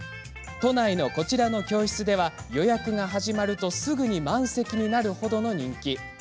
都内のこちらの教室では予約が始まるとすぐに満席になるほど人気。